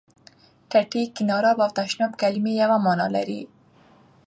ټټۍ، کېناراب او تشناب کلمې یوه معنا لري.